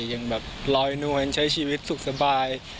ยังแบบลอยนวลใช้ชีวิตสุขสบาย